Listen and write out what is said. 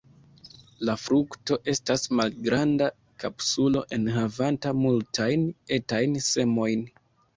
La frukto estas malgranda kapsulo enhavanta multajn etajn semojn.